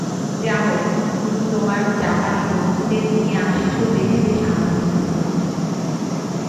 যা হোক, তুমি তোমার জাপানী বন্ধুদের নিয়ে আসছ জেনে বেশ আনন্দিত হলাম।